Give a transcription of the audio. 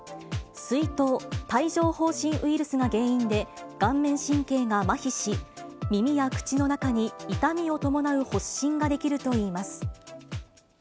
水痘・帯状ほう疹ウイルスが原因で、顔面神経がまひし、耳や口の中に痛みを伴う発疹が出来るといいます。